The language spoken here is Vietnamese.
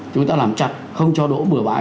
chúng ta làm chặt không cho đỗ bừa bãi